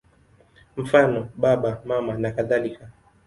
Mfano: Baba, Mama nakadhalika.